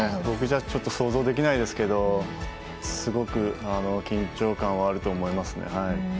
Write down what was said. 僕じゃちょっと想像できないですがすごく緊張感はあると思いますね。